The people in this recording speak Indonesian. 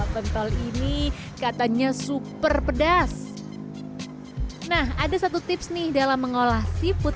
pentol ini katanya super pedas nah ada satu tips nih dalam mengolah seafood